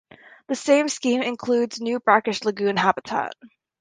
The same scheme includes new brackish lagoon habitat.